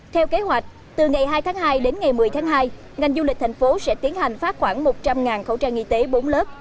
theo kế hoạch từ ngày hai tháng hai đến ngày một mươi tháng hai ngành du lịch thành phố sẽ tiến hành phát khoảng một trăm linh khẩu trang y tế bốn lớp